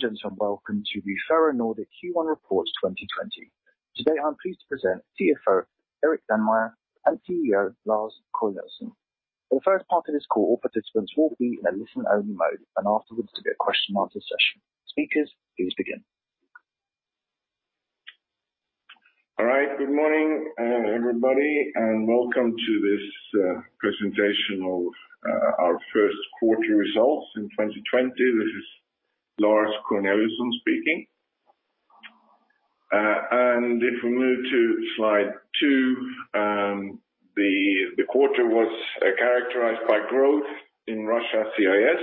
Students and welcome to the Ferronordic Q1 Reports 2020. Today I'm pleased to present CFO Erik Danemar and CEO Lars Corneliusson. For the first part of this call, all participants will be in a listen-only mode and afterwards there'll be a Q&A session. Speakers, please begin. All right, good morning everybody and welcome to this presentation of our first quarter results in 2020. This is Lars Corneliusson speaking. And if we move to slide two, the quarter was characterized by growth in Russia CIS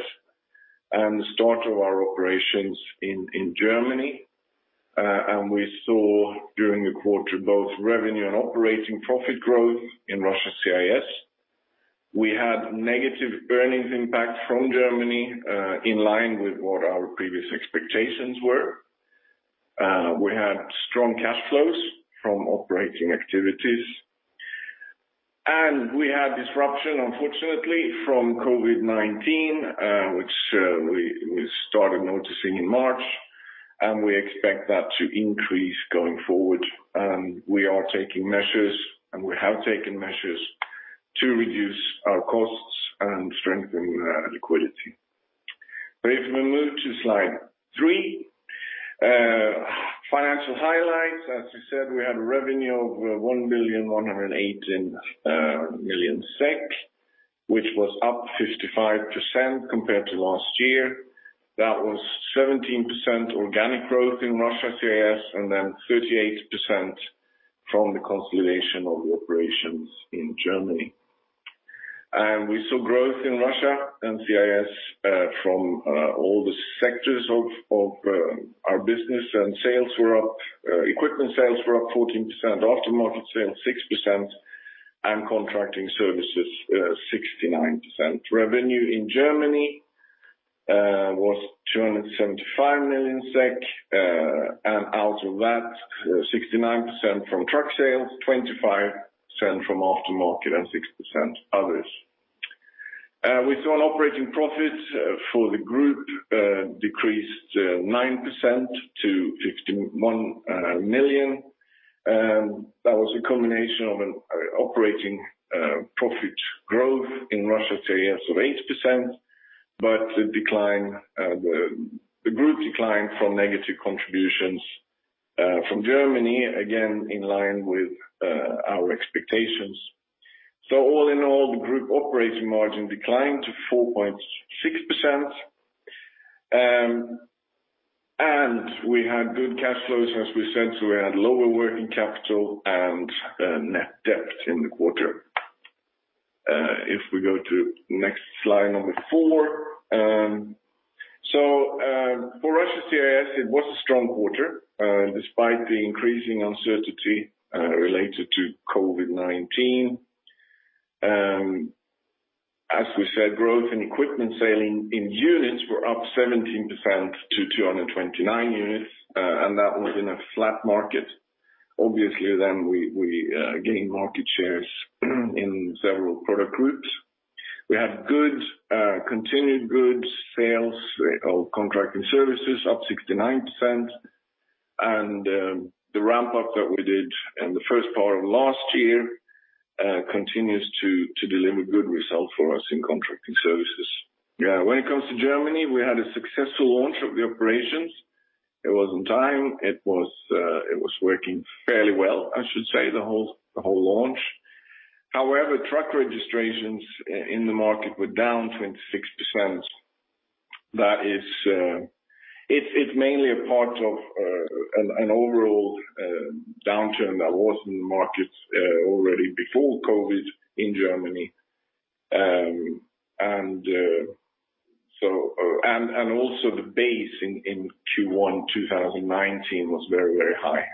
and the start of our operations in Germany. And we saw during the quarter both revenue and operating profit growth in Russia CIS. We had negative earnings impact from Germany in line with what our previous expectations were. We had strong cash flows from operating activities. And we had disruption, unfortunately, from COVID-19, which we started noticing in March. And we expect that to increase going forward. And we are taking measures and we have taken measures to reduce our costs and strengthen liquidity. But if we move to slide three, financial highlights. As we said, we had a revenue of 1,118,000,000 SEK, which was up 55% compared to last year. That was 17% organic growth in Russia CIS and then 38% from the consolidation of the operations in Germany, and we saw growth in Russia and CIS from all the sectors of our business, and sales were up. Equipment sales were up 14%, aftermarket sales 6%, and contracting services 69%. Revenue in Germany was 275,000,000 SEK, and out of that, 69% from truck sales, 25% from aftermarket, and 6% others. We saw an operating profit for the group decreased 9% to 51,000,000. That was a combination of an operating profit growth in Russia CIS of 8%, but the decline, the group declined from negative contributions from Germany, again in line with our expectations, so all in all, the group operating margin declined to 4.6%, and we had good cash flows, as we said, so we had lower working capital and net debt in the quarter. If we go to next slide number four. So for Russia CIS, it was a strong quarter despite the increasing uncertainty related to COVID-19. As we said, growth in equipment sale in units were up 17% to 229 units, and that was in a flat market. Obviously, then we gained market shares in several product groups. We had good continued goods sales of contracting services, up 69%. And the ramp-up that we did in the first part of last year continues to deliver good results for us in contracting services. Yeah, when it comes to Germany, we had a successful launch of the operations. It was on time. It was working fairly well, I should say, the whole launch. However, truck registrations in the market were down 26%. That is, it's mainly a part of an overall downturn that was in the markets already before COVID in Germany. And also the base in Q1 2019 was very, very high.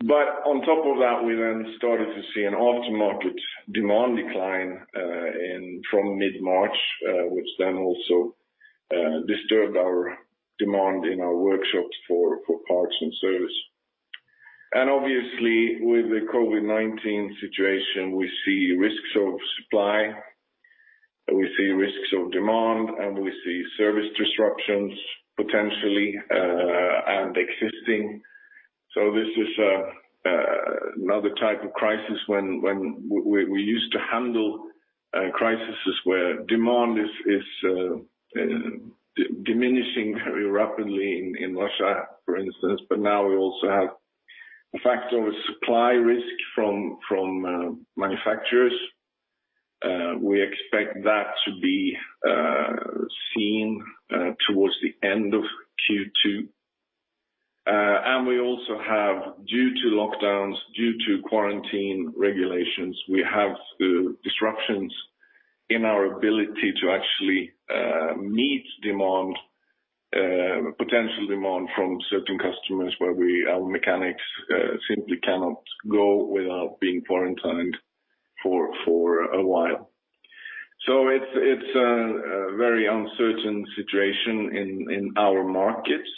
But on top of that, we then started to see an aftermarket demand decline from mid-March, which then also disturbed our demand in our workshops for parts and service. And obviously, with the COVID-19 situation, we see risks of supply, we see risks of demand, and we see service disruptions potentially and existing. So this is another type of crisis when we used to handle crises where demand is diminishing very rapidly in Russia, for instance. But now we also have a factor of supply risk from manufacturers. We expect that to be seen towards the end of Q2. And we also have, due to lockdowns, due to quarantine regulations, we have disruptions in our ability to actually meet demand, potential demand from certain customers where our mechanics simply cannot go without being quarantined for a while. So it's a very uncertain situation in our markets.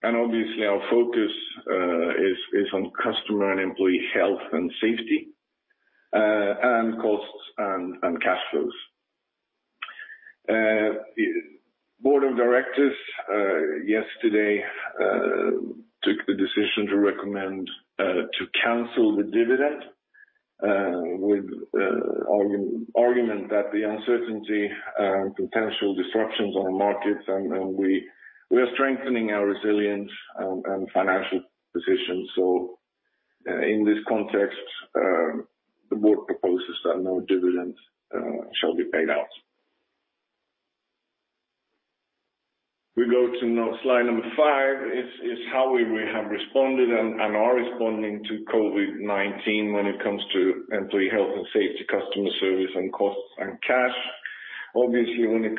And obviously, our focus is on customer and employee health and safety and costs and cash flows. Board of Directors yesterday took the decision to recommend to cancel the dividend with the argument that the uncertainty and potential disruptions on markets, and we are strengthening our resilience and financial position. So in this context, the board proposes that no dividend shall be paid out. We go to slide number five, is how we have responded and are responding to COVID-19 when it comes to employee health and safety, customer service, and costs and cash. Obviously, when it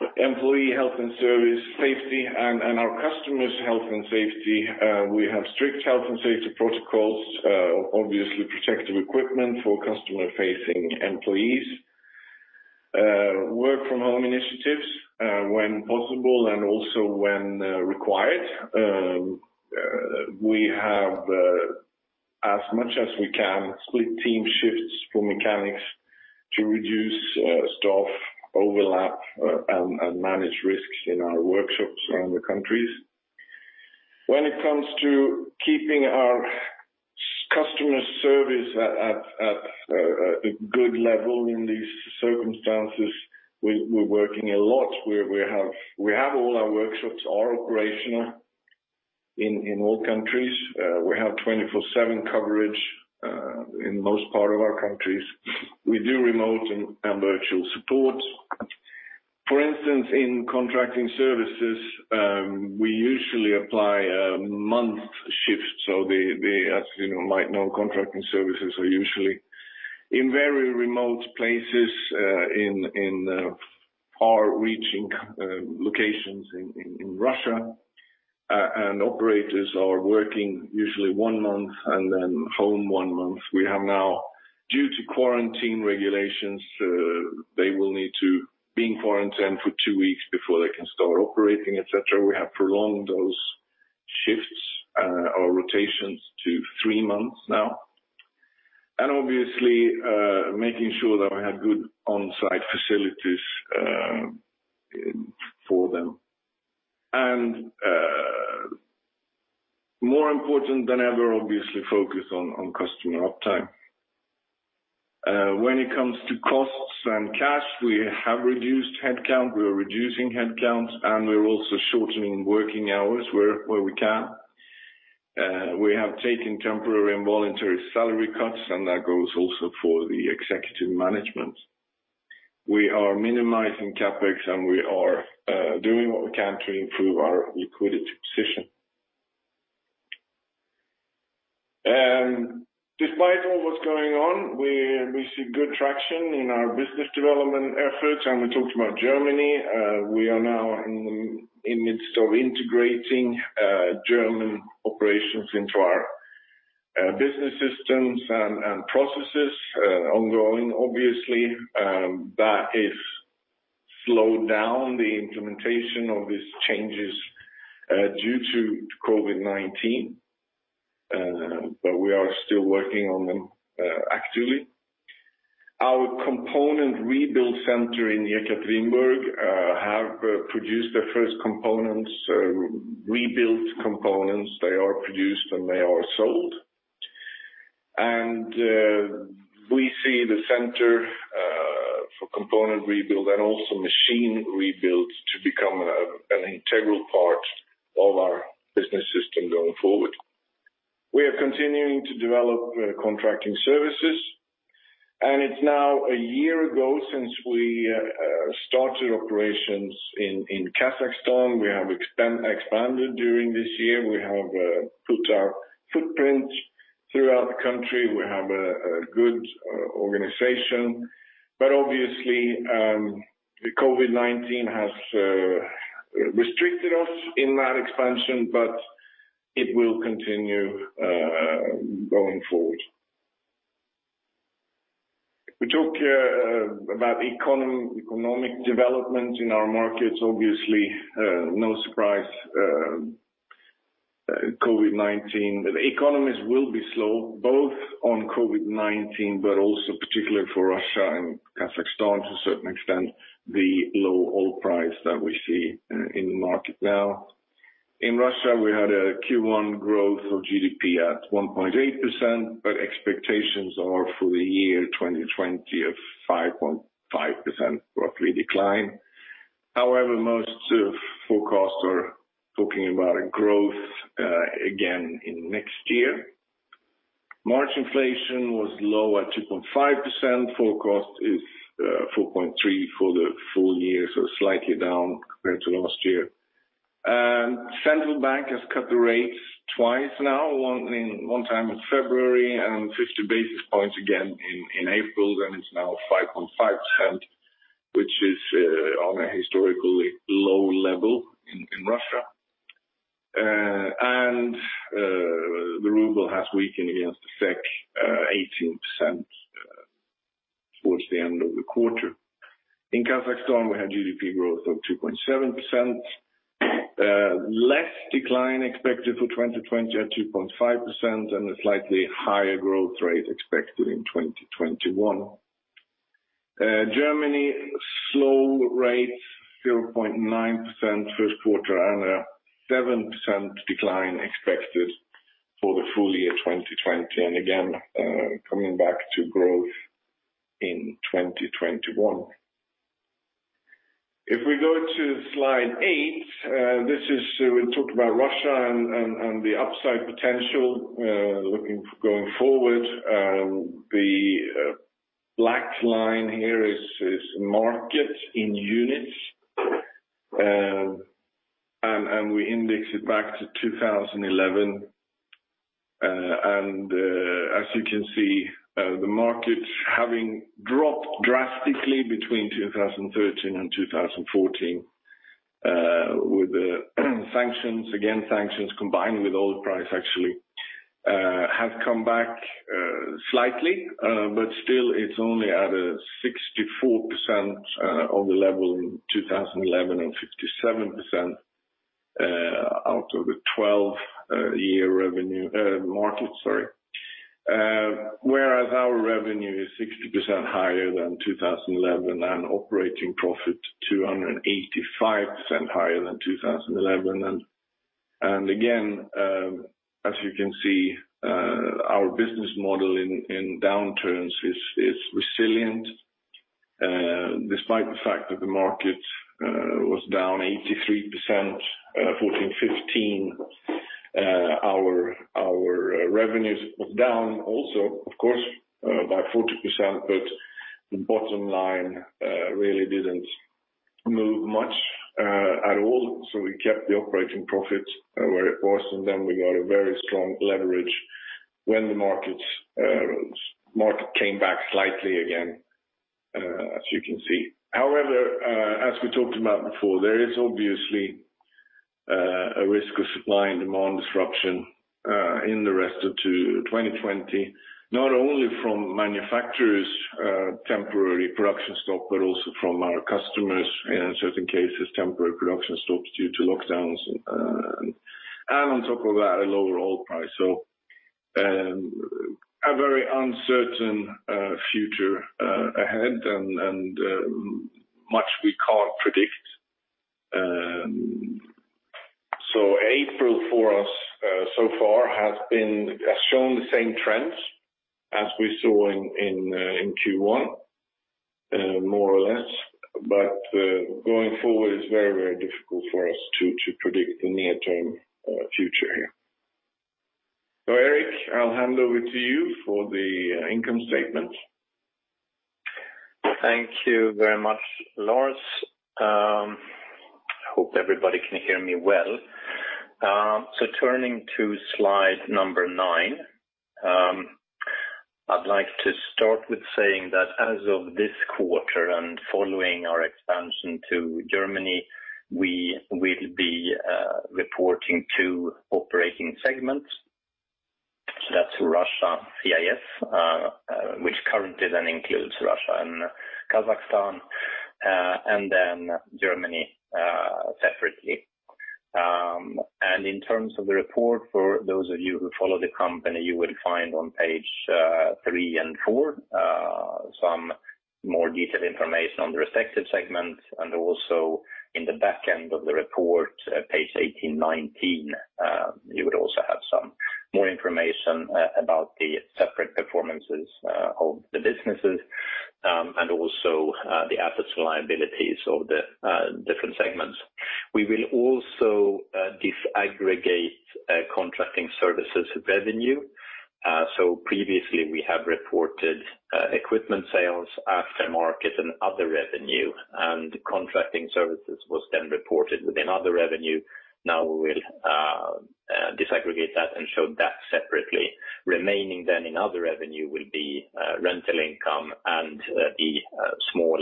comes to employee health and service safety and our customers' health and safety, we have strict health and safety protocols, obviously protective equipment for customer-facing employees, work-from-home initiatives when possible and also when required. We have, as much as we can, split team shifts for mechanics to reduce staff overlap and manage risks in our workshops around the countries. When it comes to keeping our customer service at a good level in these circumstances, we're working a lot. We have all our workshops operational in all countries. We have 24/7 coverage in most part of our countries. We do remote and virtual support. For instance, in contracting services, we usually apply a month shift. So as you might know, contracting services are usually in very remote places, in far-reaching locations in Russia, and operators are working usually one month and then home one month. We have now, due to quarantine regulations, they will need to be in quarantine for two weeks before they can start operating, etc. We have prolonged those shifts or rotations to three months now. Obviously, making sure that we have good on-site facilities for them. More important than ever, obviously, focus on customer uptime. When it comes to costs and cash, we have reduced headcount. We are reducing headcount, and we're also shortening working hours where we can. We have taken temporary and voluntary salary cuts, and that goes also for the executive management. We are minimizing CapEx, and we are doing what we can to improve our liquidity position. Despite all what's going on, we see good traction in our business development efforts. We talked about Germany. We are now in the midst of integrating German operations into our business systems and processes ongoing, obviously. That has slowed down the implementation of these changes due to COVID-19, but we are still working on them actively. Our component rebuild center in Yekaterinburg has produced the first components, rebuilt components. They are produced and they are sold, and we see the center for component rebuild and also machine rebuild to become an integral part of our business system going forward. We are continuing to develop contracting services, and it's now a year ago since we started operations in Kazakhstan. We have expanded during this year. We have put our footprint throughout the country. We have a good organization, but obviously, COVID-19 has restricted us in that expansion, but it will continue going forward. We talked about economic development in our markets. Obviously, no surprise, COVID-19. The economies will be slow, both on COVID-19, but also particularly for Russia and Kazakhstan to a certain extent, the low oil price that we see in the market now. In Russia, we had a Q1 growth of GDP at 1.8%, but expectations are for the year 2020 of 5.5%, roughly decline. However, most forecasts are talking about a growth again in next year. March inflation was low at 2.5%. Forecast is 4.3% for the full year, so slightly down compared to last year, and central bank has cut the rates twice now, one time in February and 50 basis points again in April, then it's now 5.5%, which is on a historically low level in Russia, and the ruble has weakened against the SEK 18% towards the end of the quarter. In Kazakhstan, we had GDP growth of 2.7%, less decline expected for 2020 at 2.5%, and a slightly higher growth rate expected in 2021. Germany, slow rates, 0.9% first quarter and a 7% decline expected for the full year 2020, and again, coming back to growth in 2021. If we go to slide eight, this is we talked about Russia and the upside potential going forward. The black line here is market in units, and we index it back to 2011. And as you can see, the markets having dropped drastically between 2013 and 2014, with the sanctions, again, sanctions combined with oil price actually, have come back slightly, but still it's only at a 64% on the level in 2011 and 57% out of the 12-year revenue market, sorry. Whereas our revenue is 60% higher than 2011 and operating profit 285% higher than 2011. And again, as you can see, our business model in downturns is resilient despite the fact that the market was down 83%, 14.15. Our revenues were down also, of course, by 40%, but the bottom line really didn't move much at all. So we kept the operating profits where it was, and then we got a very strong leverage when the market came back slightly again, as you can see. However, as we talked about before, there is obviously a risk of supply and demand disruption in the rest of 2020, not only from manufacturers' temporary production stop, but also from our customers in certain cases, temporary production stops due to lockdowns and on top of that, a lower oil price, so a very uncertain future ahead and much we can't predict, so April for us so far has shown the same trends as we saw in Q1, more or less, but going forward, it's very, very difficult for us to predict the near-term future here, so Erik, I'll hand over to you for the income statement. Thank you very much, Lars. I hope everybody can hear me well, so turning to slide number nine, I'd like to start with saying that as of this quarter and following our expansion to Germany, we will be reporting two operating segments. So that's Russia CIS, which currently then includes Russia and Kazakhstan, and then Germany separately. And in terms of the report, for those of you who follow the company, you will find on page three and four some more detailed information on the respective segments. And also in the back end of the report, page 18, 19, you would also have some more information about the separate performances of the businesses and also the assets and liabilities of the different segments. We will also disaggregate contracting services revenue. So previously, we have reported equipment sales, aftermarket, and other revenue. And contracting services was then reported within other revenue. Now we will disaggregate that and show that separately. Remaining then in other revenue will be rental income and the small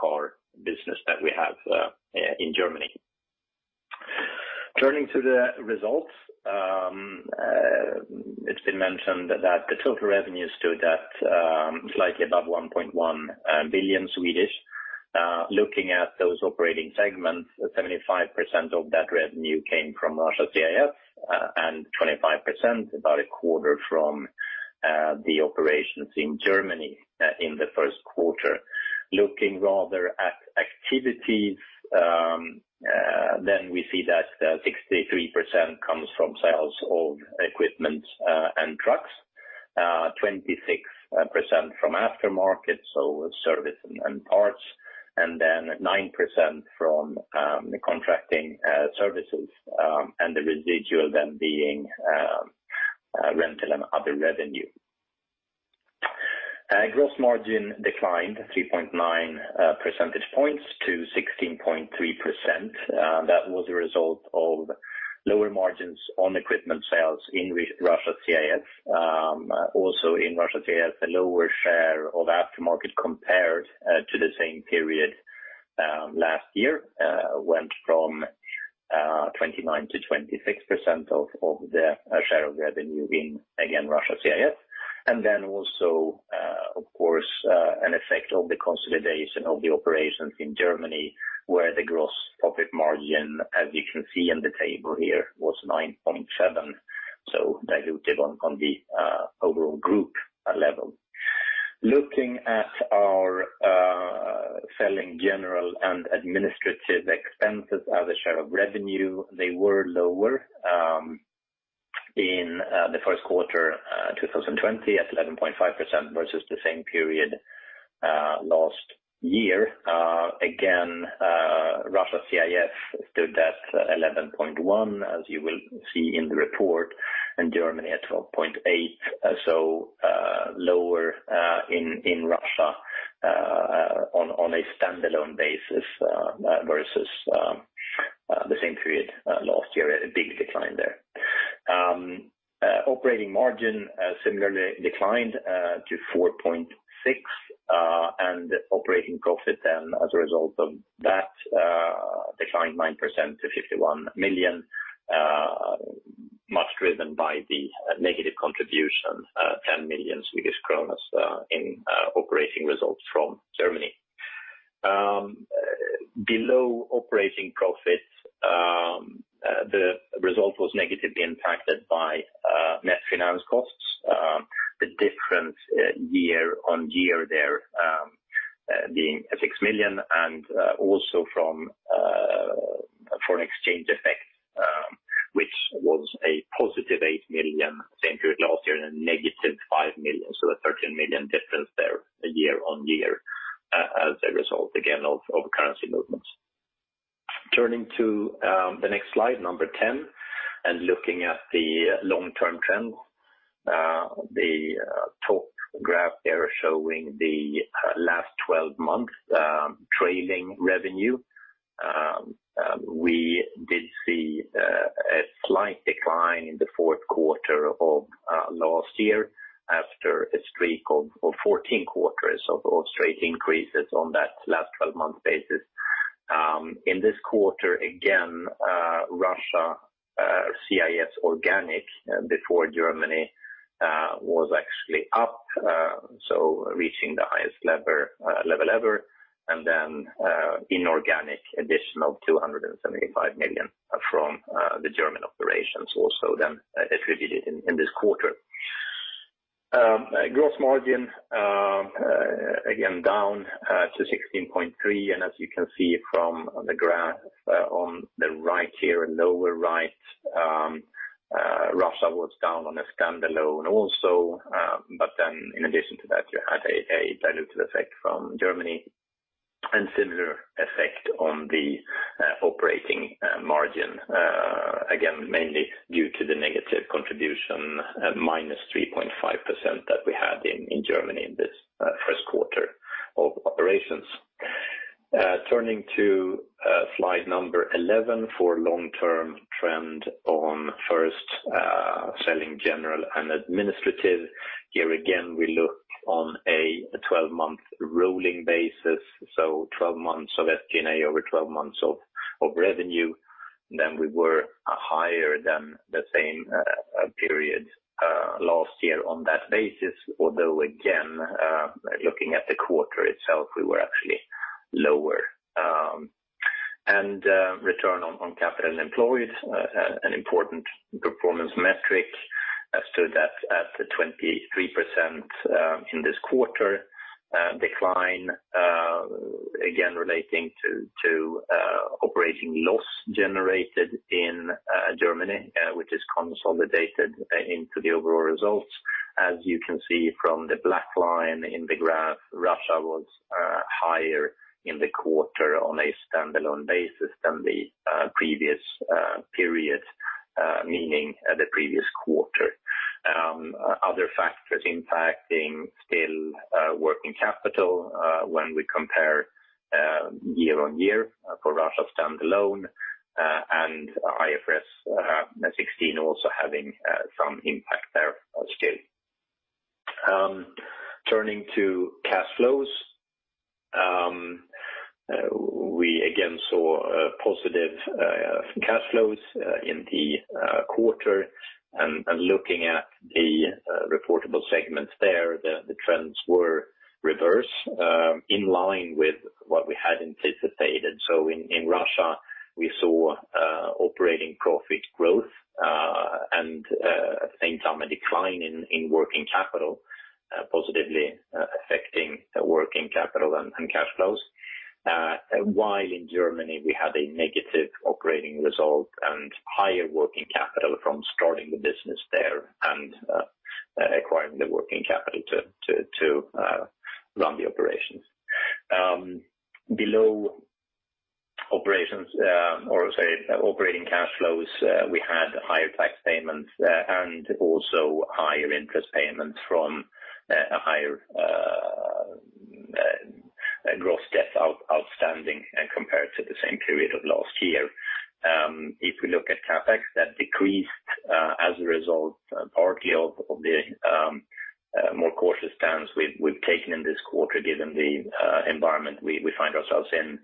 car business that we have in Germany. Turning to the results, it's been mentioned that the total revenue stood at slightly above 1.1 billion. Looking at those operating segments, 75% of that revenue came from Russia CIS and 25%, about a quarter from the operations in Germany in the first quarter. Looking rather at activities, then we see that 63% comes from sales of equipment and trucks, 26% from aftermarket, so service and parts, and then 9% from contracting services, and the residual then being rental and other revenue. Gross margin declined 3.9 percentage points to 16.3%. That was a result of lower margins on equipment sales in Russia CIS. Also in Russia CIS, a lower share of aftermarket compared to the same period last year went from 29%-26% of the share of revenue in, again, Russia CIS. And then also, of course, an effect of the consolidation of the operations in Germany, where the gross profit margin, as you can see in the table here, was 9.7%, so diluted on the overall group level. Looking at our selling general and administrative expenses as a share of revenue, they were lower in the first quarter 2020 at 11.5% versus the same period last year. Again, Russia CIS stood at 11.1%, as you will see in the report, and Germany at 12.8%, so lower in Russia on a standalone basis versus the same period last year, a big decline there. Operating margin similarly declined to 4.6%, and operating profit then as a result of that declined 9% to 51 million, much driven by the negative contribution, 10 million Swedish kronor in operating results from Germany. Below operating profit, the result was negatively impacted by net finance costs, the difference year on year there being 6 million, and also from foreign exchange effect, which was a positive 8 million same period last year and a negative 5 million. So a 13 million difference there year on year as a result, again, of currency movements. Turning to the next slide, number 10, and looking at the long-term trends, the top graph there showing the last 12 months trailing revenue. We did see a slight decline in the fourth quarter of last year after a streak of 14 quarters of straight increases on that last 12-month basis. In this quarter, again, Russia CIS organic before Germany was actually up, so reaching the highest level ever, and then inorganic additional 275 million from the German operations also then attributed in this quarter. Gross margin, again, down to 16.3%. As you can see from the graph on the right here, lower right, Russia was down on a standalone also, but then in addition to that, you had a diluted effect from Germany and similar effect on the operating margin, again, mainly due to the negative contribution, minus 3.5% that we had in Germany in this first quarter of operations. Turning to slide number 11 for long-term trend on SG&A, here again, we look on a 12-month rolling basis. So 12 months of SG&A over 12 months of revenue. Then we were higher than the same period last year on that basis, although again, looking at the quarter itself, we were actually lower. And return on capital employed, an important performance metric, stood at 23% in this quarter. Decline, again, relating to operating loss generated in Germany, which is consolidated into the overall results. As you can see from the black line in the graph, Russia was higher in the quarter on a standalone basis than the previous period, meaning the previous quarter. Other factors impacting still working capital when we compare year-on-year for Russia standalone and IFRS 16 also having some impact there still. Turning to cash flows, we again saw positive cash flows in the quarter, and looking at the reportable segments there, the trends were reverse in line with what we had anticipated, so in Russia, we saw operating profit growth and at the same time a decline in working capital, positively affecting working capital and cash flows. While in Germany, we had a negative operating result and higher working capital from starting the business there and acquiring the working capital to run the operations. Below operations or operating cash flows, we had higher tax payments and also higher interest payments from a higher gross debt outstanding compared to the same period of last year. If we look at CapEx, that decreased as a result partly of the more cautious stance we've taken in this quarter given the environment we find ourselves in.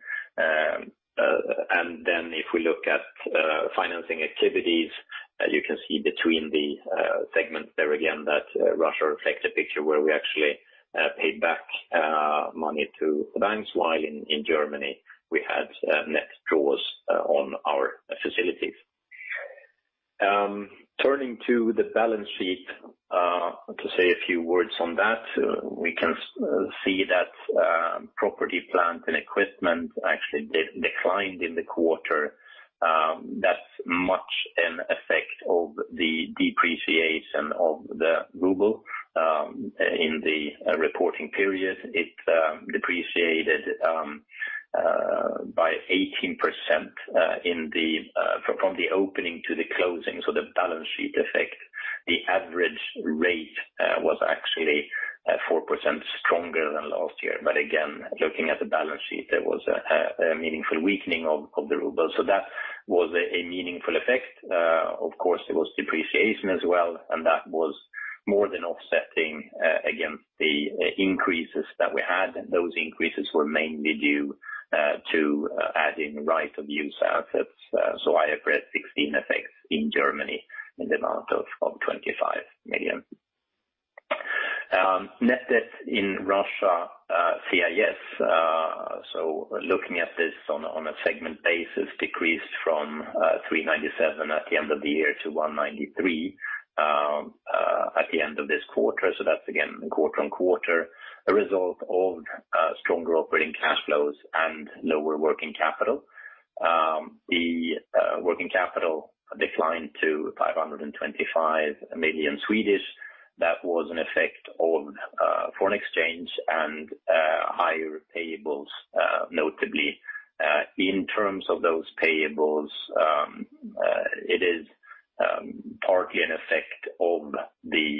And then if we look at financing activities, you can see between the segments there again that Russia reflects a picture where we actually paid back money to banks, while in Germany, we had net draws on our facilities. Turning to the balance sheet, to say a few words on that, we can see that property, plant, and equipment actually declined in the quarter. That's much of an effect of the depreciation of the ruble in the reporting period. It depreciated by 18% from the opening to the closing. So the balance sheet effect, the average rate was actually 4% stronger than last year. But again, looking at the balance sheet, there was a meaningful weakening of the ruble. So that was a meaningful effect. Of course, there was depreciation as well, and that was more than offsetting against the increases that we had. Those increases were mainly due to adding right of use assets. So IFRS 16 effects in Germany in the amount of 25 million. Net debt in Russia CIS, so looking at this on a segment basis, decreased from 397 at the end of the year to 193 at the end of this quarter. So that's again quarter on quarter, a result of stronger operating cash flows and lower working capital. The working capital declined to 525 million. That was an effect of foreign exchange and higher payables, notably. In terms of those payables, it is partly an effect of the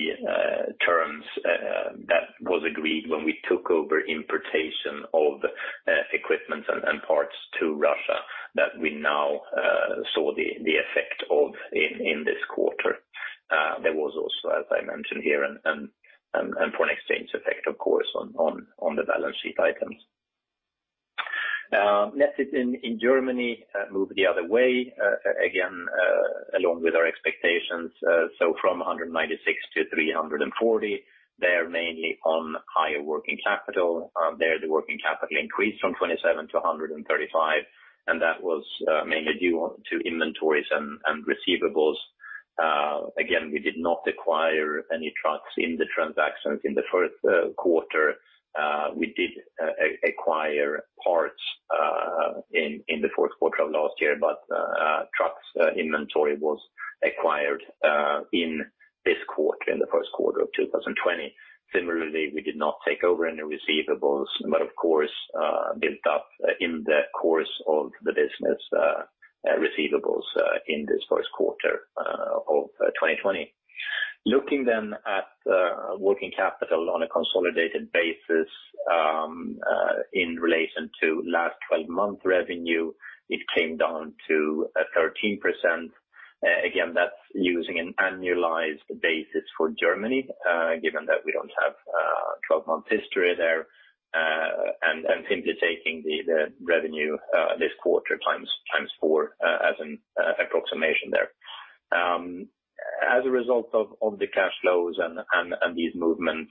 terms that was agreed when we took over importation of equipment and parts to Russia that we now saw the effect of in this quarter. There was also, as I mentioned here, and foreign exchange effect, of course, on the balance sheet items. Net debt in Germany moved the other way, again, along with our expectations, so from 196-340, there mainly on higher working capital. There, the working capital increased from 27-135, and that was mainly due to inventories and receivables. Again, we did not acquire any trucks in the transactions in the first quarter. We did acquire parts in the fourth quarter of last year, but trucks inventory was acquired in this quarter, in the first quarter of 2020. Similarly, we did not take over any receivables, but of course, built up in the course of the business receivables in this first quarter of 2020. Looking then at working capital on a consolidated basis in relation to last 12-month revenue, it came down to 13%. Again, that's using an annualized basis for Germany, given that we don't have 12-month history there, and simply taking the revenue this quarter times four as an approximation there. As a result of the cash flows and these movements,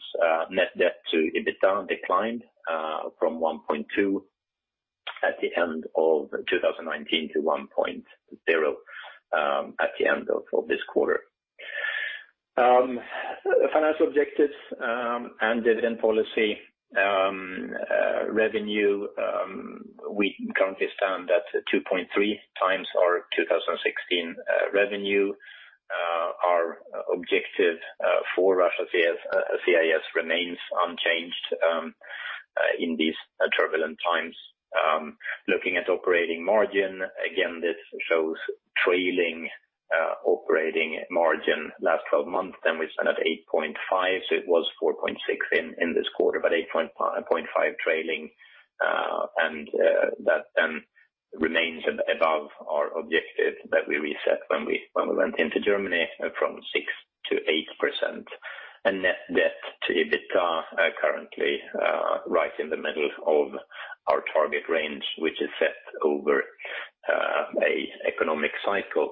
net debt to EBITDA declined from 1.2 at the end of 2019 to 1.0 at the end of this quarter. Financial objectives and dividend policy revenue, we currently stand at 2.3x our 2016 revenue. Our objective for Russia CIS remains unchanged in these turbulent times. Looking at operating margin, again, this shows trailing operating margin last 12 months, then we stand at 8.5%. So it was 4.6 in this quarter, but 8.5 trailing. And that then remains above our objective that we reset when we went into Germany from 6%-8%. And net debt to EBITDA currently right in the middle of our target range, which is set over an economic cycle.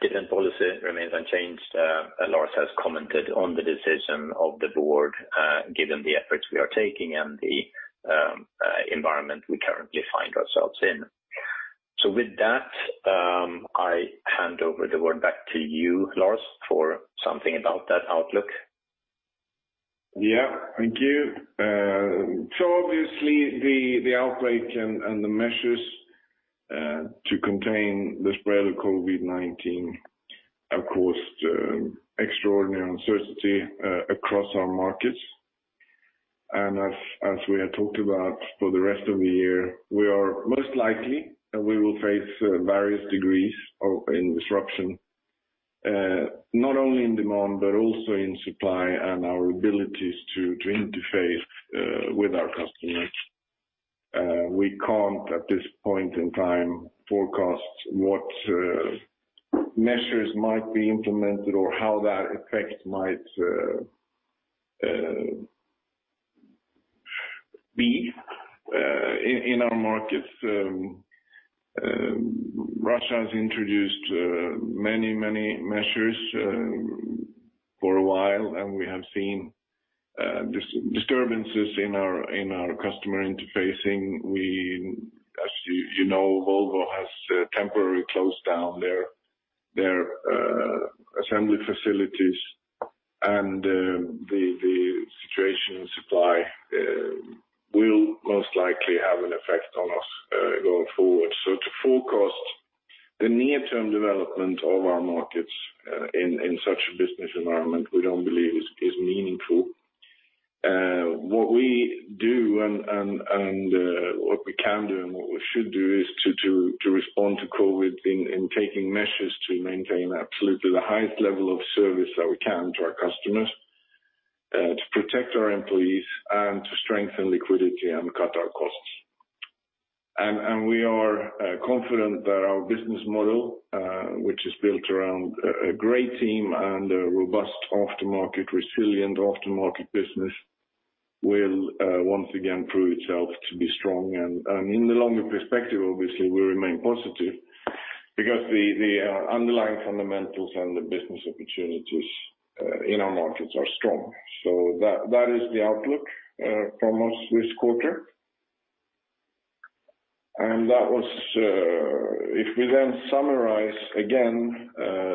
Dividend policy remains unchanged. Lars has commented on the decision of the board, given the efforts we are taking and the environment we currently find ourselves in. So with that, I hand over the word back to you, Lars, for something about that outlook. Yeah, thank you. So obviously, the outbreak and the measures to contain the spread of COVID-19 have caused extraordinary uncertainty across our markets. As we had talked about for the rest of the year, we are most likely and we will face various degrees of disruption, not only in demand, but also in supply and our abilities to interface with our customers. We can't at this point in time forecast what measures might be implemented or how that effect might be in our markets. Russia has introduced many, many measures for a while, and we have seen disturbances in our customer interfacing. As you know, Volvo has temporarily closed down their assembly facilities, and the situation in supply will most likely have an effect on us going forward. To forecast the near-term development of our markets in such a business environment, we don't believe is meaningful. What we do and what we can do and what we should do is to respond to COVID in taking measures to maintain absolutely the highest level of service that we can to our customers, to protect our employees, and to strengthen liquidity and cut our costs. And we are confident that our business model, which is built around a great team and a robust aftermarket, resilient aftermarket business, will once again prove itself to be strong. And in the longer perspective, obviously, we remain positive because the underlying fundamentals and the business opportunities in our markets are strong. So that is the outlook from us this quarter. And that was if we then summarize again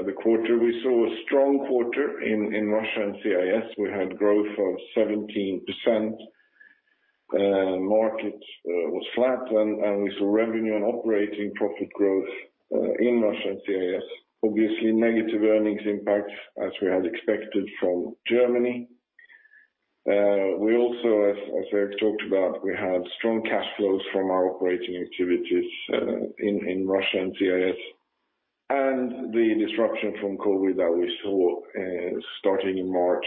the quarter, we saw a strong quarter in Russia and CIS. We had growth of 17%. Market was flat, and we saw revenue and operating profit growth in Russia and CIS. Obviously, negative earnings impact as we had expected from Germany. We also, as Erik talked about, we had strong cash flows from our operating activities in Russia and CIS, and the disruption from COVID that we saw starting in March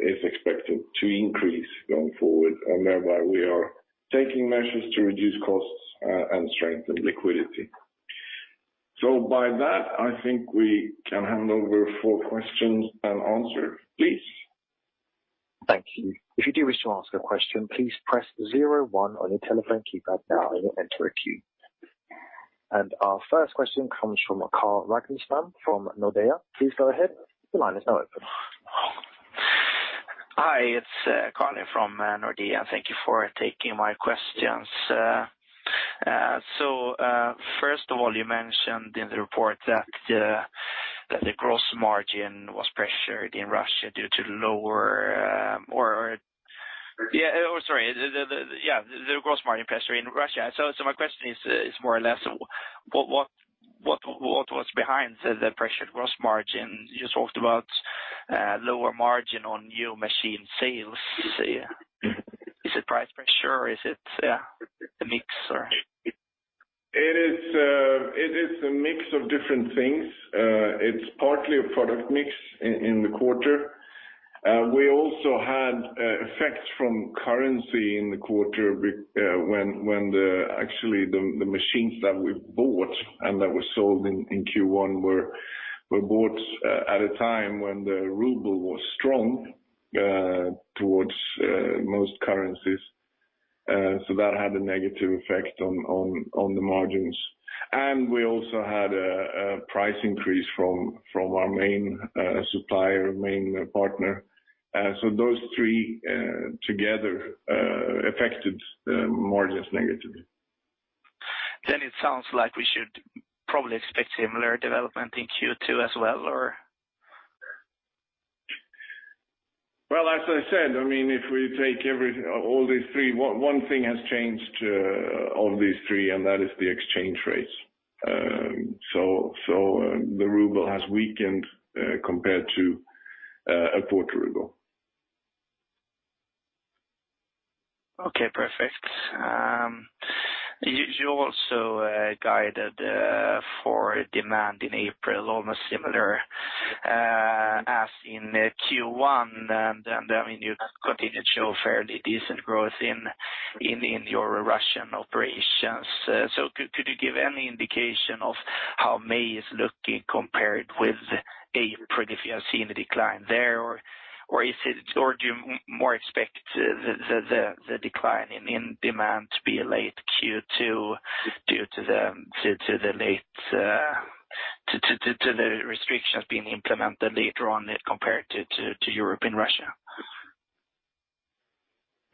is expected to increase going forward, and thereby we are taking measures to reduce costs and strengthen liquidity, so by that, I think we can hand over for questions and answers, please. Thank you. If you do wish to ask a question, please press zero one on your telephone keypad now and enter a queue, and our first question comes from Carl Ragnerstam from Nordea. Please go ahead. The line is now open. Hi, it's Carl from Nordea. Thank you for taking my questions. So first of all, you mentioned in the report that the gross margin was pressured in Russia due to the gross margin pressure in Russia. So my question is more or less what was behind the pressured gross margin? You talked about lower margin on new machine sales. Is it price pressure? Is it a mix? It is a mix of different things. It's partly a product mix in the quarter. We also had effects from currency in the quarter when actually the machines that we bought and that were sold in Q1 were bought at a time when the ruble was strong towards most currencies. So that had a negative effect on the margins. And we also had a price increase from our main supplier, main partner. So those three together affected margins negatively. Then it sounds like we should probably expect similar development in Q2 as well, or? Well, as I said, I mean, if we take all these three, one thing has changed of these three, and that is the exchange rates. So the ruble has weakened compared to a quarter ago. Okay, perfect. You also guided for demand in April almost similar as in Q1, and I mean, you continued to show fairly decent growth in your Russian operations. So could you give any indication of how May is looking compared with April if you have seen a decline there, or do you more expect the decline in demand to be late Q2 due to the late to the restrictions being implemented later on compared to Europe and Russia?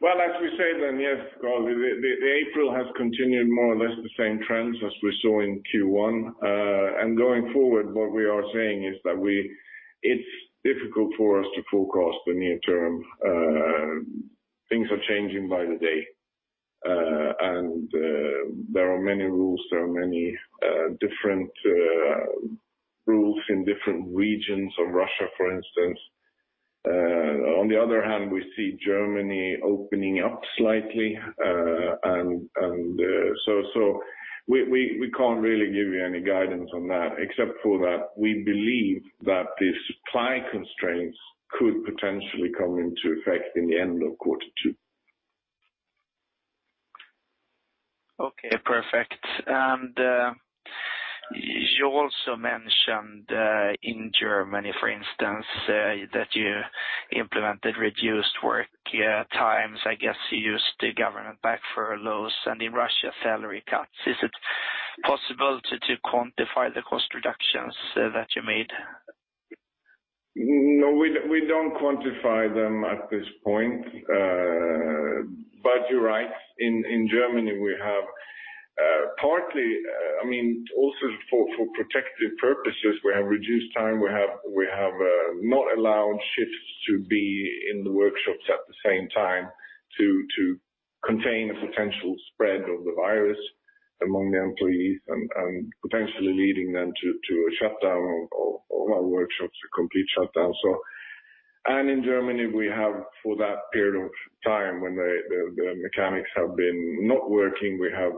Well, as we say then, yes, the April has continued more or less the same trends as we saw in Q1. Going forward, what we are saying is that it's difficult for us to forecast the near-term. Things are changing by the day. There are many rules. There are many different rules in different regions of Russia, for instance. On the other hand, we see Germany opening up slightly. So we can't really give you any guidance on that except for that we believe that these supply constraints could potentially come into effect in the end of quarter two. Okay, perfect. You also mentioned in Germany, for instance, that you implemented reduced work times. I guess you used the government-backed furloughs and in Russia salary cuts. Is it possible to quantify the cost reductions that you made? No, we don't quantify them at this point. You're right. In Germany, we have partly, I mean, also for protective purposes, we have reduced time. We have not allowed shifts to be in the workshops at the same time to contain a potential spread of the virus among the employees and potentially leading them to a shutdown of our workshops, a complete shutdown. And in Germany, we have for that period of time when the mechanics have been not working, we have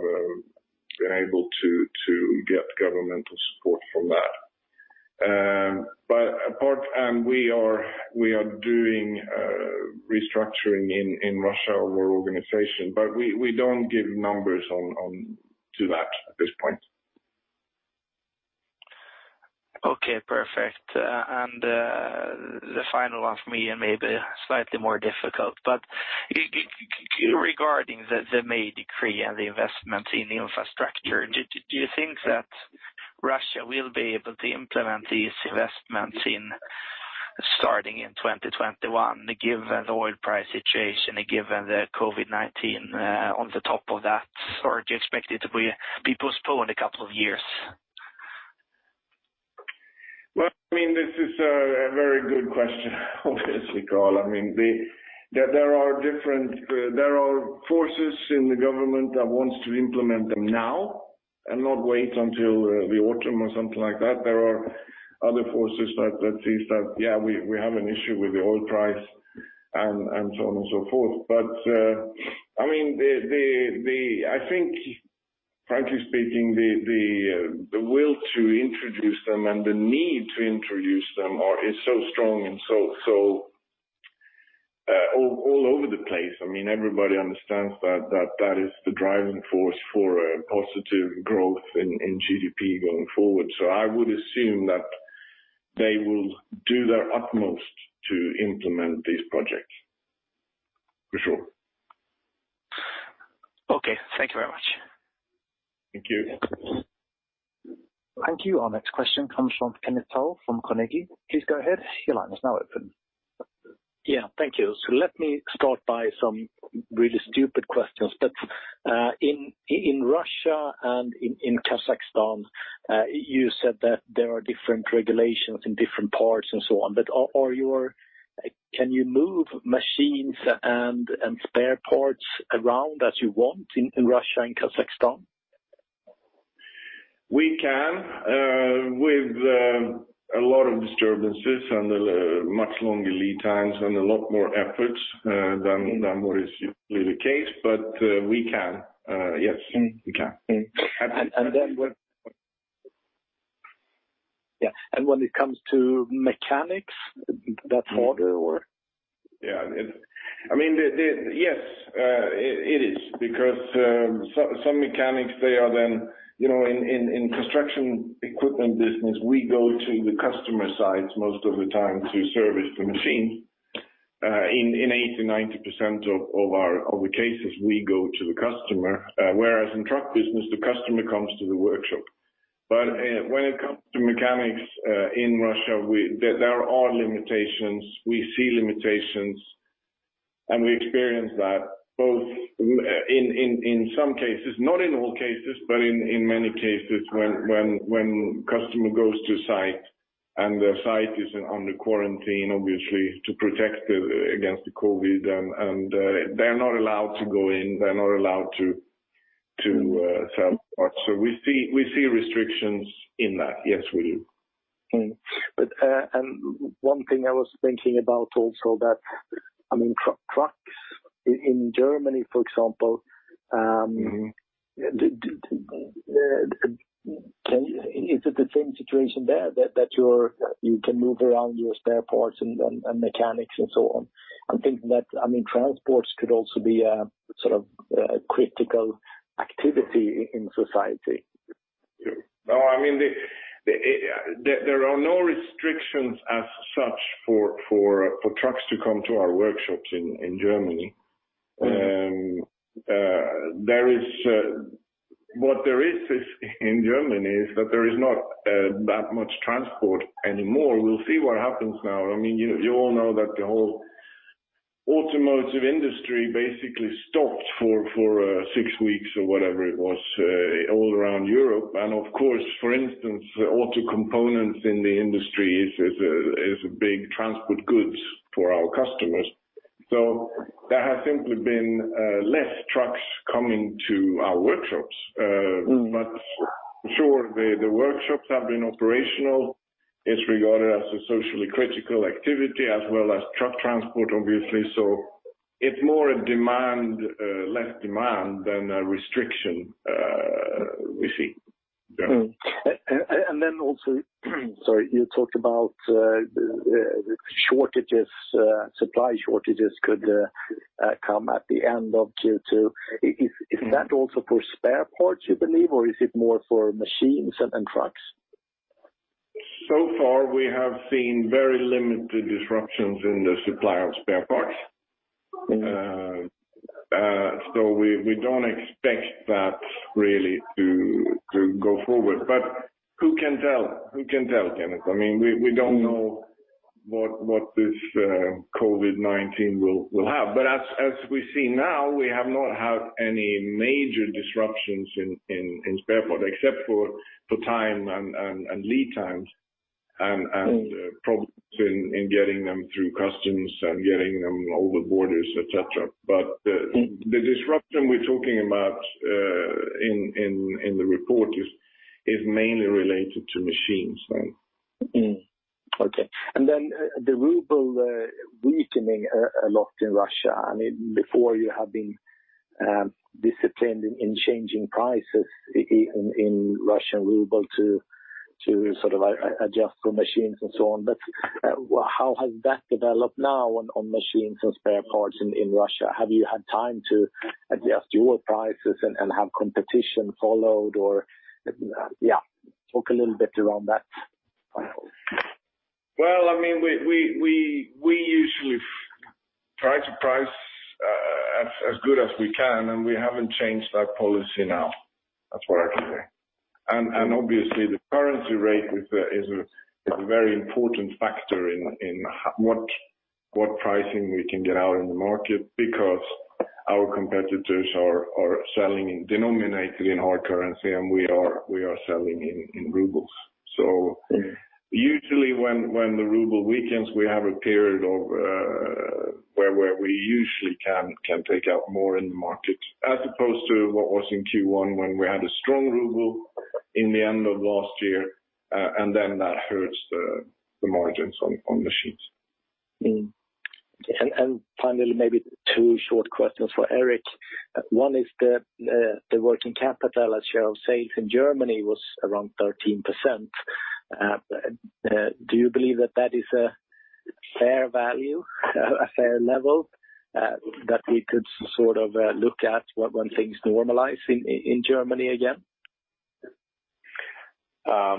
been able to get governmental support from that. But we are doing restructuring in Russia of our organization, but we don't give numbers to that at this point. Okay, perfect. And the final one for me and maybe slightly more difficult, but regarding the May decree and the investments in infrastructure, do you think that Russia will be able to implement these investments starting in 2021, given the oil price situation and given the COVID-19 on the top of that, or do you expect it to be postponed a couple of years? Well, I mean, this is a very good question, obviously, Carl. I mean, there are different forces in the government that wants to implement them now and not wait until the autumn or something like that. There are other forces that see that, yeah, we have an issue with the oil price and so on and so forth. But I mean, I think, frankly speaking, the will to introduce them and the need to introduce them is so strong and so all over the place. I mean, everybody understands that that is the driving force for positive growth in GDP going forward. So I would assume that they will do their utmost to implement these projects, for sure. Okay, thank you very much. Thank you. Thank you. Our next question comes from Kenneth Toll from Carnegie. Please go ahead. Your line is now open. Yeah, thank you. Let me start by some really stupid questions. But in Russia and in Kazakhstan, you said that there are different regulations in different parts and so on. But can you move machines and spare parts around as you want in Russia and Kazakhstan? We can with a lot of disturbances and much longer lead times and a lot more effort than what is usually the case. But we can. Yes, we can. And then when it comes to mechanics, that's harder, or? Yeah. I mean, yes, it is because some mechanics, they are then in construction equipment business, we go to the customer's site most of the time to service the machines. In 80%-90% of the cases, we go to the customer, whereas in truck business, the customer comes to the workshop. But when it comes to mechanics in Russia, there are limitations. We see limitations, and we experience that both in some cases, not in all cases, but in many cases when the customer goes to a site and the site is under quarantine, obviously, to protect against the COVID, and they're not allowed to go in. They're not allowed to sell parts. So we see restrictions in that. Yes, we do. And one thing I was thinking about also that, I mean, trucks in Germany, for example, is it the same situation there that you can move around your spare parts and mechanics and so on? I'm thinking that, I mean, transports could also be a sort of critical activity in society. No, I mean, there are no restrictions as such for trucks to come to our workshops in Germany. What there is in Germany is that there is not that much transport anymore. We'll see what happens now. I mean, you all know that the whole automotive industry basically stopped for six weeks or whatever it was all around Europe, and of course, for instance, auto components in the industry is a big transport goods for our customers. So there has simply been less trucks coming to our workshops, but for sure, the workshops have been operational. It's regarded as a socially critical activity as well as truck transport, obviously. So it's more a demand, less demand than a restriction we see, And then also, sorry, you talked about shortages. Supply shortages could come at the end of Q2. Is that also for spare parts, you believe, or is it more for machines and trucks? So far, we have seen very limited disruptions in the supply of spare parts. So we don't expect that really to go forward, but who can tell? Who can tell, Kenneth? I mean, we don't know what this COVID-19 will have. But as we see now, we have not had any major disruptions in spare parts except for time and lead times and problems in getting them through customs and getting them over borders, etc. But the disruption we're talking about in the report is mainly related to machines. Okay. And then the ruble weakening a lot in Russia. I mean, before you have been disciplined in changing prices in Russian ruble to sort of adjust for machines and so on. But how has that developed now on machines and spare parts in Russia? Have you had time to adjust your prices and have competition followed or, yeah, talk a little bit around that? Well, I mean, we usually try to price as good as we can, and we haven't changed that policy now. That's what I can say. And obviously, the currency rate is a very important factor in what pricing we can get out in the market because our competitors are selling denominated in our currency, and we are selling in rubles. So usually, when the ruble weakens, we have a period where we usually can take out more in the market as opposed to what was in Q1 when we had a strong ruble in the end of last year, and then that hurts the margins on machines. And finally, maybe two short questions for Erik. One is the working capital at share of sales in Germany was around 13%. Do you believe that that is a fair value, a fair level that we could sort of look at when things normalize in Germany again? I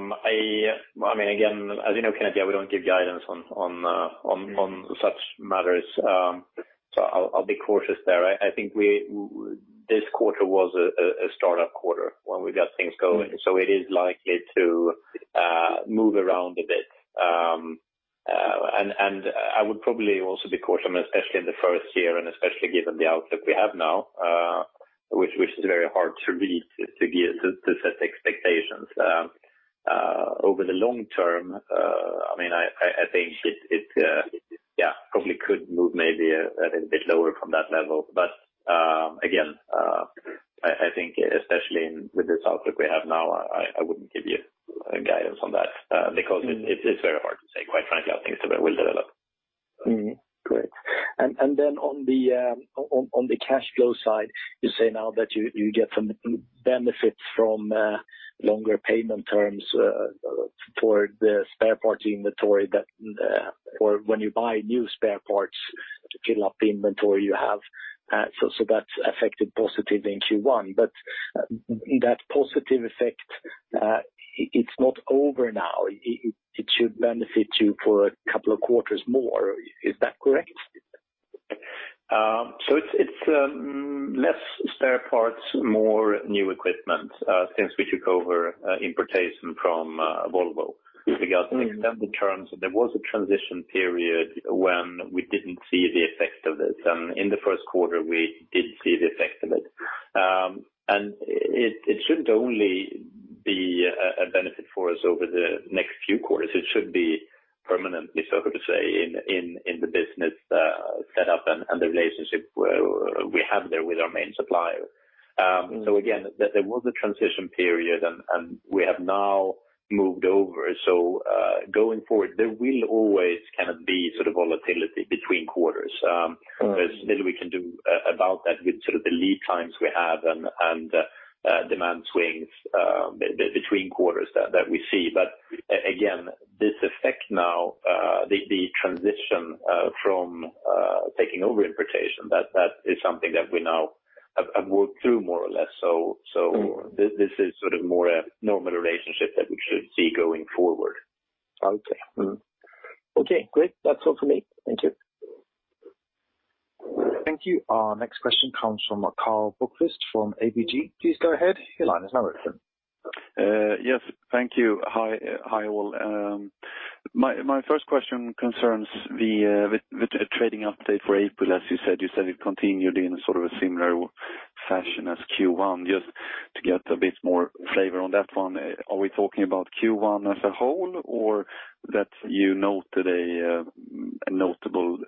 mean, again, as you know, Kenneth, yeah, we don't give guidance on such matters. So I'll be cautious there. I think this quarter was a startup quarter when we got things going. So it is likely to move around a bit. And I would probably also be cautious, especially in the first year and especially given the outlook we have now, which is very hard to read to set expectations. Over the long term, I mean, I think it, yeah, probably could move maybe a bit lower from that level. But again, I think especially with this outlook we have now, I wouldn't give you guidance on that because it's very hard to say. Quite frankly, I think it will develop. Great. And then on the cash flow side, you say now that you get some benefits from longer payment terms for the spare parts inventory that when you buy new spare parts to fill up the inventory you have. So that's affected positively in Q1. But that positive effect, it's not over now. It should benefit you for a couple of quarters more. Is that correct? So it's less spare parts, more new equipment since we took over importation from Volvo. We got extended terms, and there was a transition period when we didn't see the effect of this. And in the first quarter, we did see the effect of it. And it shouldn't only be a benefit for us over the next few quarters. It should be permanently, so to say, in the business setup and the relationship we have there with our main supplier. So again, there was a transition period, and we have now moved over. So going forward, there will always kind of be sort of volatility between quarters. There's little we can do about that with sort of the lead times we have and demand swings between quarters that we see. But again, this effect now, the transition from taking over importation, that is something that we now have worked through more or less. So this is sort of more a normal relationship that we should see going forward. Okay. Okay, great. That's all for me. Thank you. Thank you. Our next question comes from Karl Bokvist from ABG. Please go ahead. Your line is now open. Yes, thank you. Hi, all. My first question concerns the trading update for April, as you said. You said it continued in sort of a similar fashion as Q1. Just to get a bit more flavor on that one, are we talking about Q1 as a whole or that you noted a notable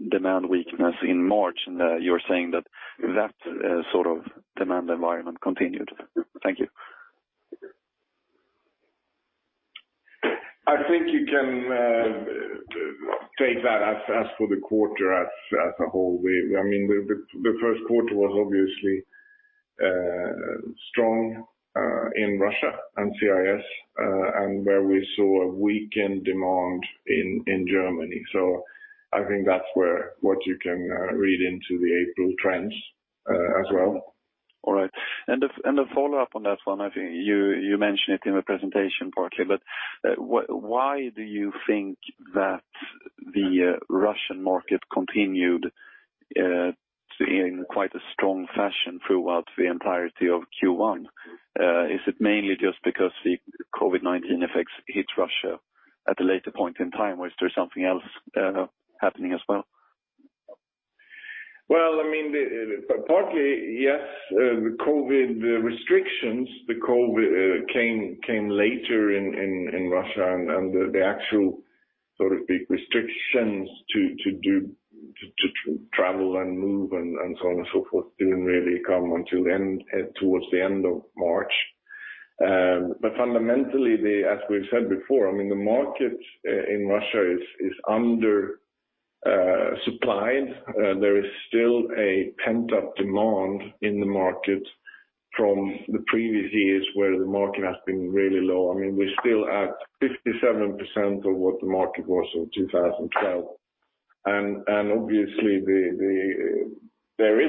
demand weakness in March and that you're saying that that sort of demand environment continued? Thank you. I think you can take that as for the quarter as a whole. I mean, the first quarter was obviously strong in Russia and CIS and where we saw a weakened demand in Germany. So I think that's what you can read into the April trends as well. All right. And a follow-up on that one, I think you mentioned it in the presentation partly, but why do you think that the Russian market continued in quite a strong fashion throughout the entirety of Q1? Is it mainly just because the COVID-19 effects hit Russia at a later point in time, or is there something else happening as well? I mean, partly, yes, the COVID restrictions, the COVID came later in Russia, and the actual sort of big restrictions to travel and move and so on and so forth didn't really come until towards the end of March, but fundamentally, as we've said before, I mean, the market in Russia is under-supplied. There is still a pent-up demand in the market from the previous years where the market has been really low. I mean, we're still at 57% of what the market was in 2012, and obviously, there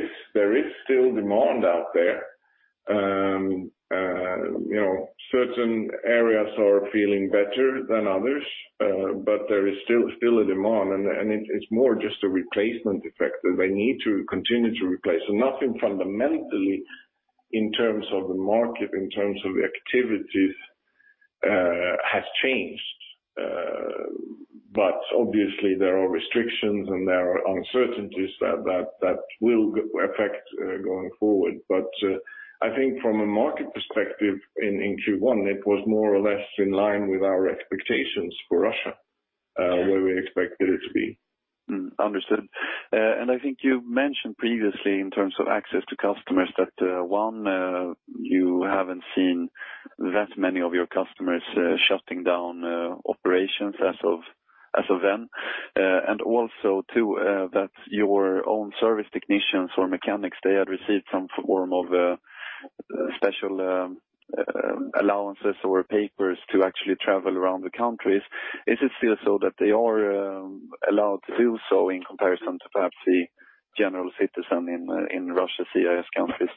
is still demand out there. Certain areas are feeling better than others, but there is still a demand, and it's more just a replacement effect that they need to continue to replace, and nothing fundamentally in terms of the market, in terms of the activities, has changed. But obviously, there are restrictions and there are uncertainties that will affect going forward. But I think from a market perspective in Q1, it was more or less in line with our expectations for Russia, where we expected it to be. Understood. And I think you mentioned previously in terms of access to customers that, one, you haven't seen that many of your customers shutting down operations as of then. And also, two, that your own service technicians or mechanics, they had received some form of special allowances or papers to actually travel around the countries. Is it still so that they are allowed to do so in comparison to perhaps the general citizen in Russia CIS countries?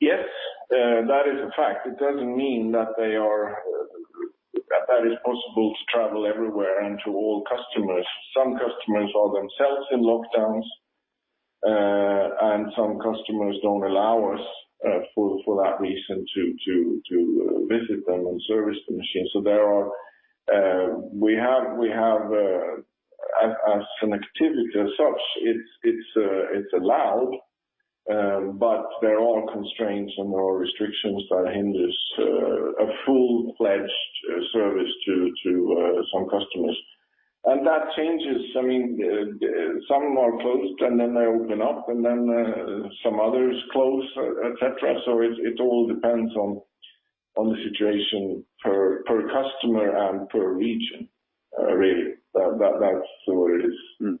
Yes, that is a fact. It doesn't mean that that is possible to travel everywhere and to all customers. Some customers are themselves in lockdowns, and some customers don't allow us for that reason to visit them and service the machines. So we have, as an activity as such, it's allowed, but there are constraints and there are restrictions that hinder a full-fledged service to some customers, and that changes. I mean, some are closed, and then they open up, and then some others close, etc. So it all depends on the situation per customer and per region, really. That's the way it is.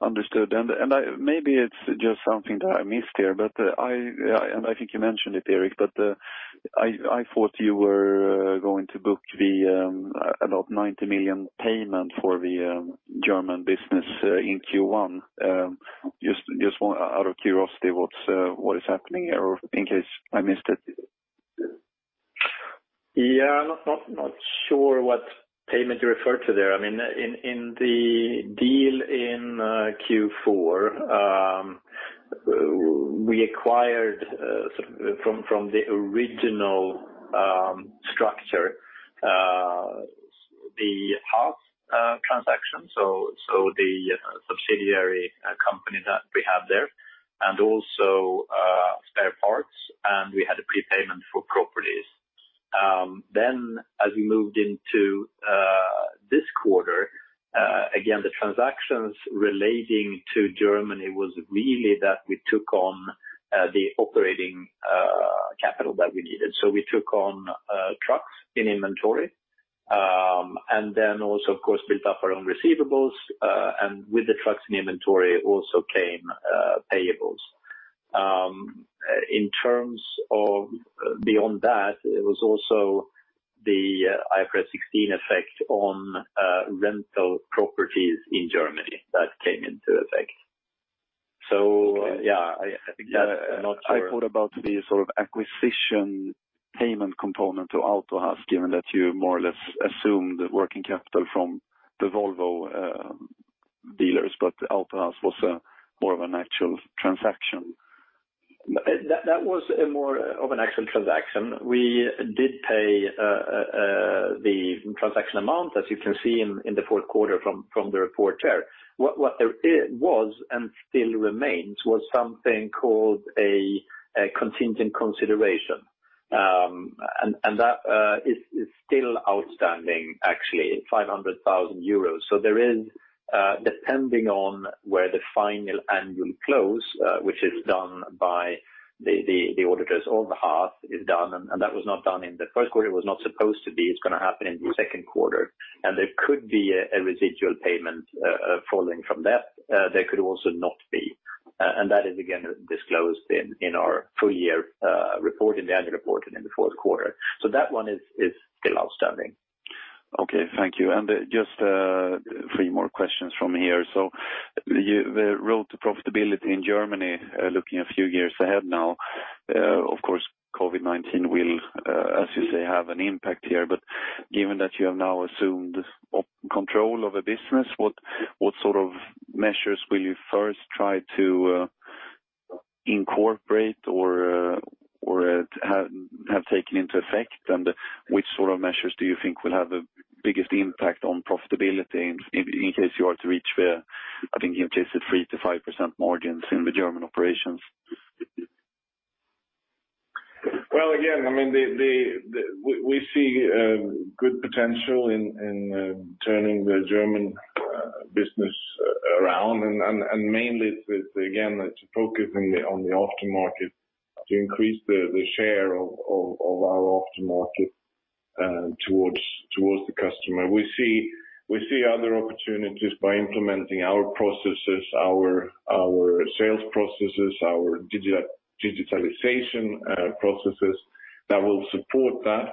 Understood, and maybe it's just something that I missed here, but I think you mentioned it, Erik, but I thought you were going to book about 90 million payment for the German business in Q1. Just out of curiosity, what is happening here in case I missed it? Yeah, I'm not sure what payment you refer to there. I mean, in the deal in Q4, we acquired from the original structure the Haas transaction, so the subsidiary company that we have there, and also spare parts, and we had a prepayment for properties. Then, as we moved into this quarter, again, the transactions relating to Germany was really that we took on the operating capital that we needed. So we took on trucks in inventory and then also, of course, built up our own receivables. And with the trucks in inventory also came payables. In terms of beyond that, it was also the IFRS 16 effect on rental properties in Germany that came into effect. So yeah, I think that's not sure. I thought about the sort of acquisition payment component to Auto-Haas, given that you more or less assumed working capital from the Volvo dealers, but Auto-Haas was more of an actual transaction. That was more of an actual transaction. We did pay the transaction amount, as you can see in the fourth quarter from the report there. What there was and still remains was something called a contingent consideration, and that is still outstanding, actually, 500,000 euros. So there is, depending on where the final annual close, which is done by the auditors of Auto-Haas, is done, and that was not done in the first quarter. It was not supposed to be. It's going to happen in the second quarter, and there could be a residual payment following from that. There could also not be, and that is, again, disclosed in our full-year report, in the annual report, and in the fourth quarter, so that one is still outstanding. Okay. Thank you, and just three more questions from here. So the road to profitability in Germany, looking a few years ahead now, of course, COVID-19 will, as you say, have an impact here. But given that you have now assumed control of a business, what sort of measures will you first try to incorporate or have taken into effect? And which sort of measures do you think will have the biggest impact on profitability in case you are to reach, I think, in case it's 3%-5% margins in the German operations? Well, again, I mean, we see good potential in turning the German business around. And mainly, again, it's focusing on the aftermarket to increase the share of our aftermarket towards the customer. We see other opportunities by implementing our processes, our sales processes, our digitalization processes that will support that.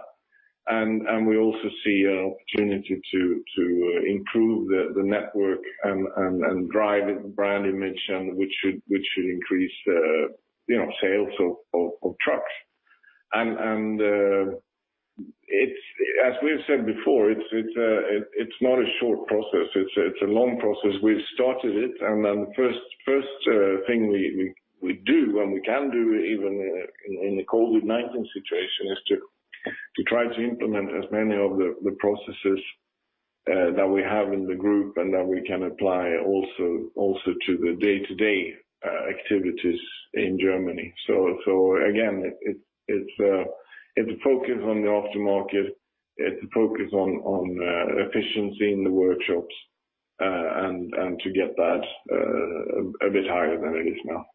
And we also see an opportunity to improve the network and drive brand image, which should increase sales of trucks. And as we've said before, it's not a short process. It's a long process. We've started it. And then the first thing we do, and we can do even in the COVID-19 situation, is to try to implement as many of the processes that we have in the group and that we can apply also to the day-to-day activities in Germany. So again, it's a focus on the aftermarket. It's a focus on efficiency in the workshops and to get that a bit higher than it is now.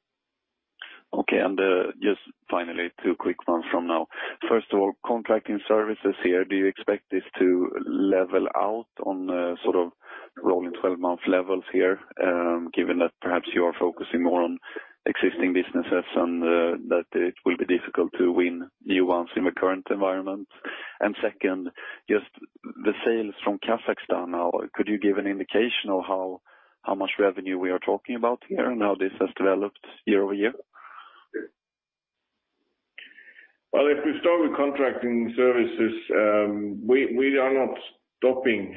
Okay. And just finally, two quick ones from now. First of all, contracting services here, do you expect this to level out on sort of rolling 12-month levels here, given that perhaps you are focusing more on existing businesses and that it will be difficult to win new ones in the current environment? And second, just the sales from Kazakhstan now, could you give an indication of how much revenue we are talking about here and how this has developed year-over-year? If we start with contracting services, we are not stopping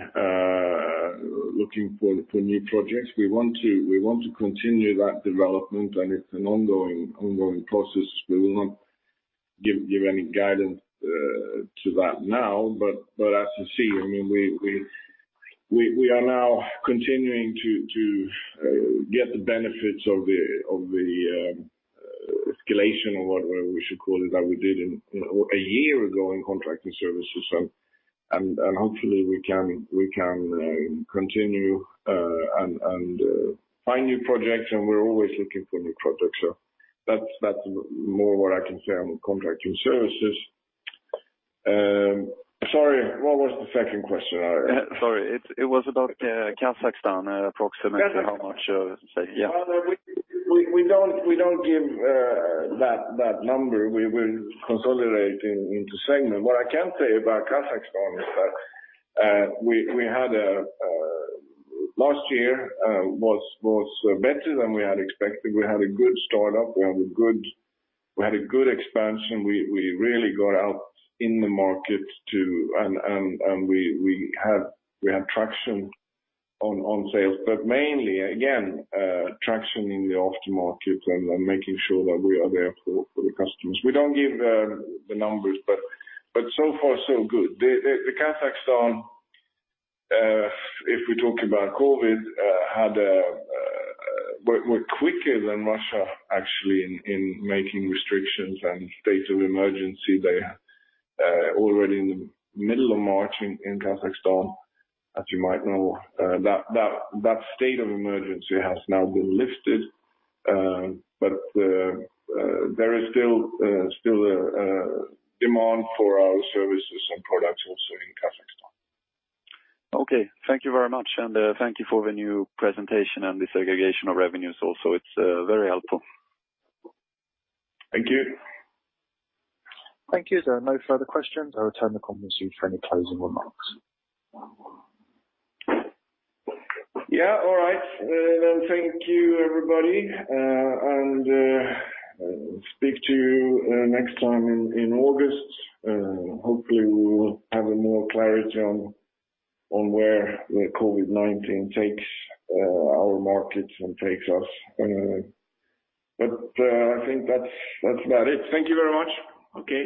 looking for new projects. We want to continue that development, and it's an ongoing process. We will not give any guidance to that now. As you see, I mean, we are now continuing to get the benefits of the escalation of what we should call it that we did a year ago in contracting services. Hopefully, we can continue and find new projects. We're always looking for new projects. That's more what I can say on contracting services. Sorry, what was the second question? Sorry. It was about Kazakhstan, approximately how much of, say, yeah. We don't give that number. We consolidate into segment. What I can say about Kazakhstan is that last year was better than we had expected. We had a good startup. We had a good expansion. We really got out in the market too, and we had traction on sales. But mainly, again, traction in the aftermarket and making sure that we are there for the customers. We don't give the numbers, but so far, so good. Kazakhstan, if we talk about COVID, was quicker than Russia, actually, in making restrictions and state of emergency. They are already in the middle of March in Kazakhstan, as you might know. That state of emergency has now been lifted, but there is still demand for our services and products also in Kazakhstan. Okay. Thank you very much and thank you for the new presentation and the segregation of revenues also. It's very helpful. Thank you. Thank you. There are no further questions. I'll return the conference to you for any closing remarks. Yeah. All right. Thank you, everybody and speak to you next time in August. Hopefully, we'll have more clarity on where the COVID-19 takes our markets and takes us but I think that's about it. Thank you very much. Okay.